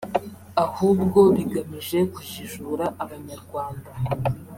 ahubwo bigamije kujijura Abanyarwanda